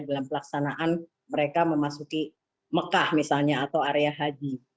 dalam pelaksanaan mereka memasuki mekah misalnya atau area haji